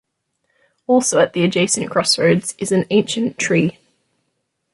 Also at the adjacent crossroads is an ancient tree.